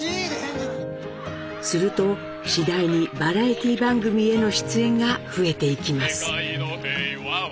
すると次第にバラエティー番組への出演が増えていきます。